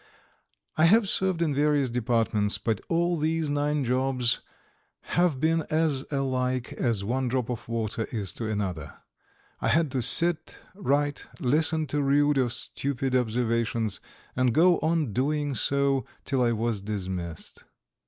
I have served in various departments, but all these nine jobs have been as alike as one drop of water is to another: I had to sit, write, listen to rude or stupid observations, and go on doing so till I was dismissed.